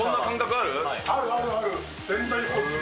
あるあるある。